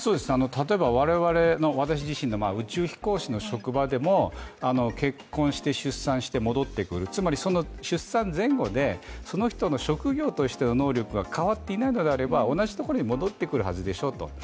例えば、我々、宇宙飛行士の職場でも、結婚して出産して戻ってくる、つまり出産前後でその人の職業としての能力が変わっていないのであれば、同じ所に戻ってくるはずでしょと。